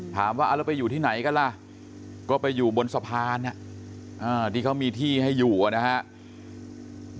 ถามว่าเอาแล้วไปอยู่ที่ไหนกันล่ะก็ไปอยู่บนสะพานที่เขามีที่ให้อยู่นะครับ